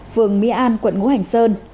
phường my an quận ngũ hành sơn